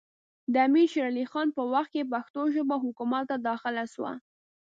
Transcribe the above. د امیر شېر علي خان په وخت کې پښتو ژبه حکومت ته داخله سوه